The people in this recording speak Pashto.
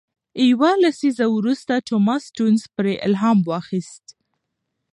یو لسیزه وروسته توماس سټيونز پرې الهام واخیست.